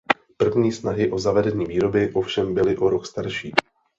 První snahy o zavedení výroby ovšem byly o rok starší.